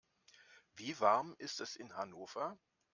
Wie warm ist es in Hannover?